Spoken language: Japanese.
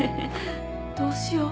どうしよう？